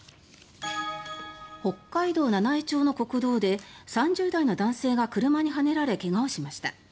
北海道七飯町の国道で３０代の男性が車にはねられ怪我をしました。